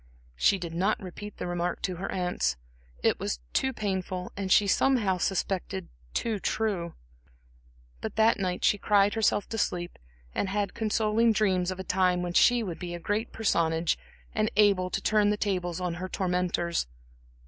She did not repeat the remark to her aunts it was too painful and she somehow suspected too true; but that night she cried herself to sleep and had consoling dreams of a time when she should be a great personage, and able to turn the tables on her tormentors.